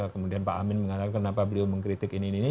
kemudian pak amin mengatakan kenapa beliau mengkritik ini ini